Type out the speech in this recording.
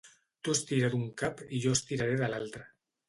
Tu estira d'un cap i jo estiraré de l'altre.